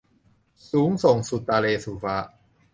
สูงส่งสุดตาแล สู่ฟ้า